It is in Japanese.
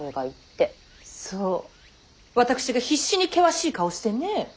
そう私が必死に険しい顔をしてね。